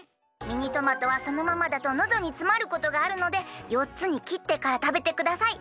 ミニトマトはそのままだとのどにつまることがあるので４つにきってからたべてください。